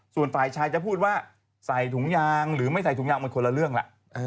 ส่วนฝ่ายชายจะพูดว่าใส่ถุงยางหรือไม่ใส่ถุงยางมันคนละเรื่องล่ะ